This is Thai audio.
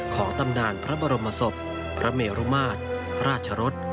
ตำนานพระบรมศพพระเมรุมาตรราชรส